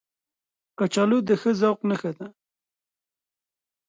کچالو د ښه ذوق نښه ده